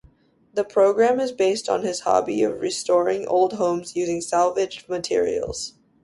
The program is based on his hobby of restoring old homes using salvaged materials.